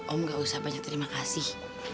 om gak usah banyak terima kasih